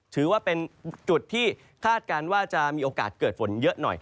ถือว่าเป็นจุดที่คาดการณ์ว่าจะมีโอกาสเกิดฝนเยอะหน่อย